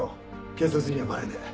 警察にはバレねえ。